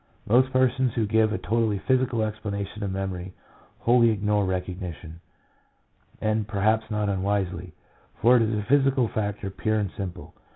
Most persons who give a totally physical explanation of memory wholly ignore recognition; and perhaps not unwisely, for it is a psychical factor, pure and simple.